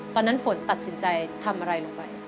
ตอนนั้นฝนตัดสินใจทำอะไรลงไป